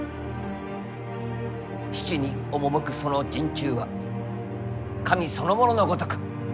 死地に赴くその尽忠は神そのもののごとく。